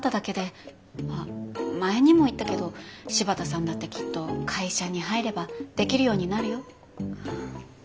あ前にも言ったけど柴田さんだってきっと会社に入ればできるようになるよ。